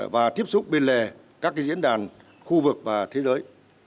và tiếp xúc bên lề các diễn đàn khu vực và thế giới